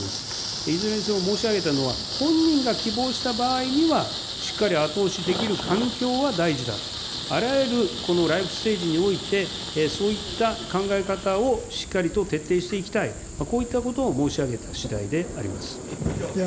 いずれにせよ、申し上げたのは、本人が希望した場合には、しっかり後押しできる環境は大事だと、あらゆるライフステージにおいて、そういった考え方をしっかりと徹底していきたい、こういったことを申し上げた次第であります。